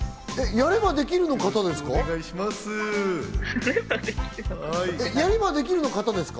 やればできるの方ですか？